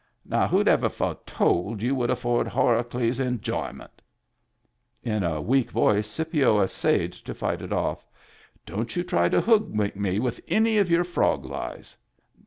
Now who'd ever have foretold you would afford Horacles enjoyment ?" In a weak voice Scipio essayed to fight it off. " Don't you try to hoodwink me with any of your frog lies."